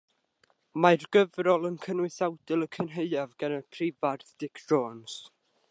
Mae'r gyfrol yn cynnwys awdl Y Cynhaeaf gan y Prifardd Dic Jones.